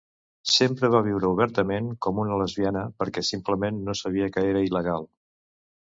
Sempre va viure obertament com una lesbiana, perquè simplement no sabia que era il·legal.